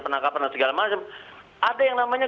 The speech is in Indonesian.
penangkapan dan segala macam ada yang namanya